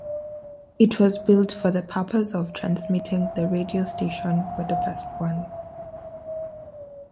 It was built for the purpose of transmitting the radio station Budapest One.